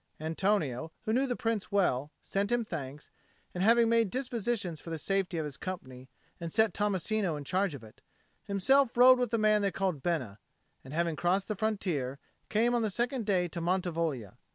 Antonio, who knew the Prince well, sent him thanks, and, having made dispositions for the safety of his company and set Tommasino in charge of it, himself rode with the man they called Bena, and, having crossed the frontier, came on the second day to Mantivoglia.